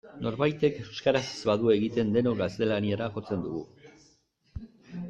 Norbaitek euskaraz ez badu egiten denok gaztelaniara jotzen dugu.